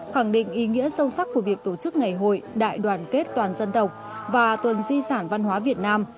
khẳng định ý nghĩa sâu sắc của việc tổ chức ngày hội đại đoàn kết toàn dân tộc và tuần di sản văn hóa việt nam